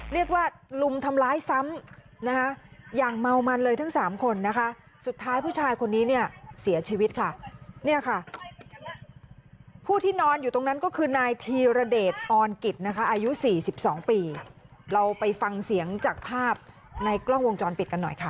ลุมทำร้ายซ้ำนะคะอย่างเมามันเลยทั้งสามคนนะคะสุดท้ายผู้ชายคนนี้เนี่ยเสียชีวิตค่ะเนี่ยค่ะผู้ที่นอนอยู่ตรงนั้นก็คือนายธีรเดชออนกิจนะคะอายุ๔๒ปีเราไปฟังเสียงจากภาพในกล้องวงจรปิดกันหน่อยค่ะ